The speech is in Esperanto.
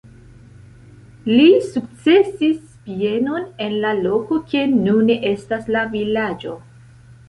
Li sukcesis bienon en la loko ke nune estas la vilaĝo.